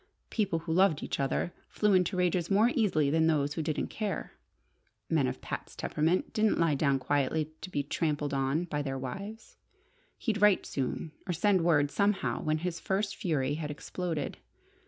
People who loved each other flew into rages more easily than those who didn't care. Men of Pat's temperament didn't lie down quietly to be trampled on by their wives. He'd write soon, or send word somehow when his first fury had exploded.